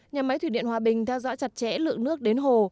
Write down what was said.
nhà máy thủy điện hòa bình theo dõi chặt chẽ lượng nước đến hồ